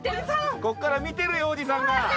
ここから見てるよおじさんが。